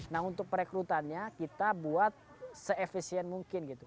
nah untuk perekrutannya kita buat se efisien mungkin gitu